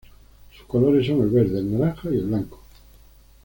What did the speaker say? Sus colores son el verde, el naranja, y el blanco.